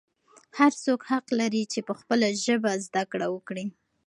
هر څوک حق لري چې په خپله ژبه زده کړه وکړي.